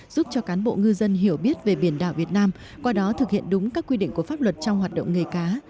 giúp cho cán bộ ngư dân hiểu biết về biển đảo việt nam qua đó thực hiện đúng các quy định của pháp luật trong hoạt động nghề cá